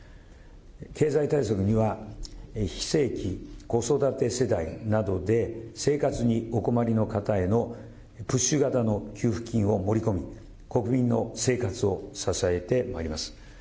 経済対策には、非正規、子育て世代などで生活にお困りの方へのプッシュ型の給付金を盛り込み、国民の生活を支えてまいります。